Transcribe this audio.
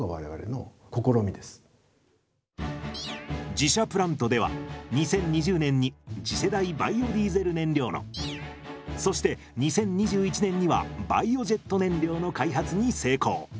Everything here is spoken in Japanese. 自社プラントでは２０２０年に次世代バイオディーゼル燃料のそして２０２１年にはバイオジェット燃料の開発に成功！